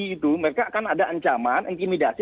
itu mereka akan ada ancaman intimidasi